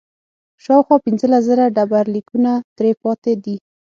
شاوخوا پنځلس زره ډبرلیکونه ترې پاتې دي.